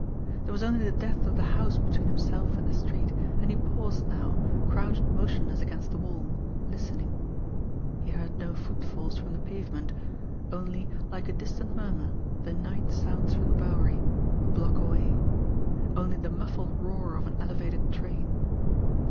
There was only the depth of the house between himself and the street, and he paused now, crouched motionless against the wall, listening. He heard no footfalls from the pavement only, like a distant murmur, the night sounds from the Bowery, a block away only the muffled roar of an elevated train.